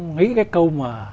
nghĩ cái câu mà